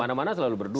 mana mana selalu berdua